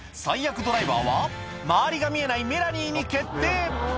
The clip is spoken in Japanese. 最悪ドライバーは周りが見えないメラニーに決定